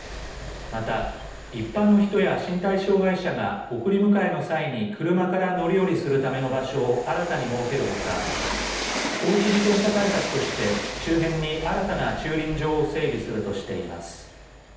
また、一般の人や身体障害者が送り迎えの際に車から乗り降りするための場所を新たに設けるほか放置自転車対策として、周辺に新たな駐輪場を整備するとしています。